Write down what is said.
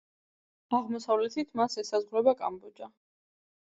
აღმოსავლეთით მას ესაზღვრება კამბოჯა.